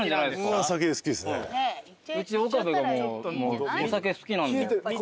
うち岡部がもうお酒好きなんで。